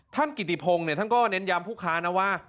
ท่านกิติพงศ์เนี่ยท่านก็เน้นยำผู้ค้านะว่า